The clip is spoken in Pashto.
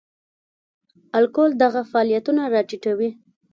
الکول دغه فعالیتونه را ټیټوي.